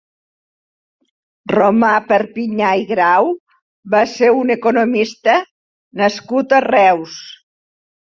Romà Perpinyà i Grau va ser un economista nascut a Reus.